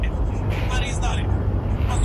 خو تر هر څه لومړی قومي مبارز و